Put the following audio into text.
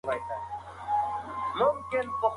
هغه د کابل د پاڅون مشري په پوره زړورتیا ترسره کړه.